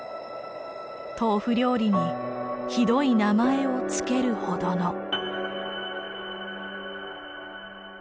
豆腐料理にひどい名前を付けるほどの。